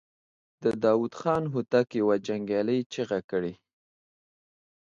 د داوود خان هوتک يوه جنګيالې چيغه کړه.